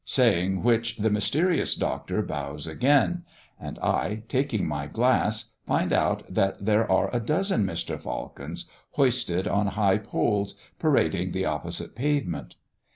Saying which the mysterious doctor bows again; and I, taking my glass, find out that there are a dozen Mr. Falcons, hoisted on high poles, parading the opposite pavement.